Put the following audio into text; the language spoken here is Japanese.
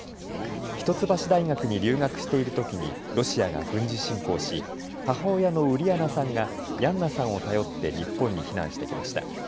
一橋大学に留学しているときにロシアが軍事侵攻し母親のウリアナさんがヤンナさんを頼って日本に避難してきました。